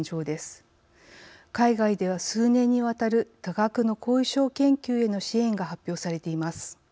海外では数年にわたる多額の後遺症研究への支援が発表されています。